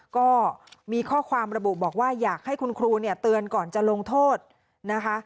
ก็มีข้อความระบุบอกว่าอยากให้คุณครูเนี่ยเตือนก่อนจะลงโทษนะคะ